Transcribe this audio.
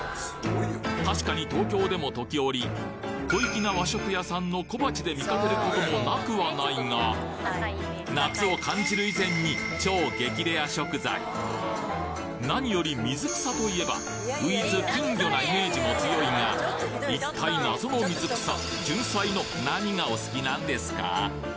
確かに東京でも時折小粋な和食屋さんの小鉢で見かけることもなくはないが夏を感じる以前に超激レア食材なにより水草と言えばウィズ金魚なイメージも強いが一体謎の水草じゅんさいの何がお好きなんですか？